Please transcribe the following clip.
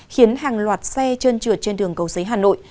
khiến hàng loạt xe trơn trượt trên đường cầu giấy hà nội